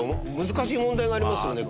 難しい問題がありますよね